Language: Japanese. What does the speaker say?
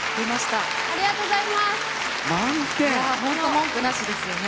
文句なしですよね。